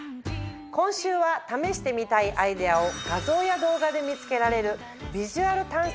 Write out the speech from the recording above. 今週は試してみたいアイデアを画像や動画で見つけられる。